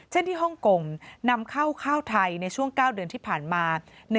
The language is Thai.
เช่นที่ฮ่องกงนำเข้าข้าวไทยในช่วง๙เดือนที่ผ่านมา